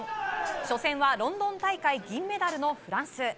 初戦は、ロンドン大会銀メダルのフランス。